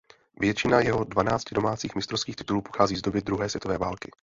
Většina jeho dvanácti domácích mistrovských titulů pochází z doby druhé světové války.